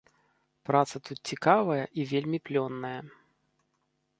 Праца тут цікавая і вельмі плённая.